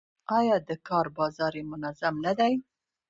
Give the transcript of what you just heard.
آیا د کار بازار یې منظم نه دی؟